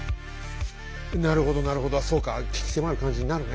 なるほどなるほどそうか鬼気迫る感じになるね